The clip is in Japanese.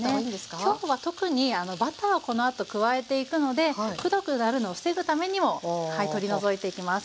今日は特にバターをこのあと加えていくのでくどくなるのを防ぐためにも取り除いていきます。